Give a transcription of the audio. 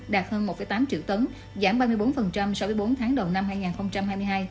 và thép cuộn cáng nóng đạt hơn một tám triệu tấn giảm ba mươi bốn so với bốn tháng đầu năm hai nghìn hai mươi hai